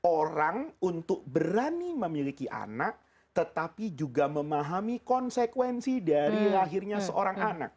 orang untuk berani memiliki anak tetapi juga memahami konsekuensi dari lahirnya seorang anak